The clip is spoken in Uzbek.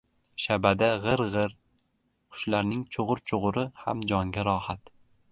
Shabada — «g‘ir-g‘ir». Qushlarning «chug‘ur-chug‘uri» ham jonga rohat.